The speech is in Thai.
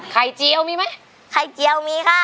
เจียวมีไหมไข่เจียวมีค่ะ